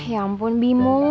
ya ampun bimo